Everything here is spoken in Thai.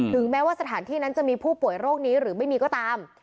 แม้ว่าสถานที่นั้นจะมีผู้ป่วยโรคนี้หรือไม่มีก็ตาม